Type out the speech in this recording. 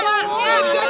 siapa di bawah